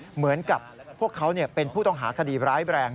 เหมือนกับพวกเขาเป็นผู้ต้องหาคดีร้ายแรง